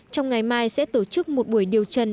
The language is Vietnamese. trong ngày mai sẽ tổ chức một buổi điều trần